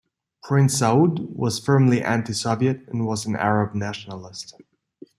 Prince Saud was firmly anti-Soviet and was an Arab nationalist.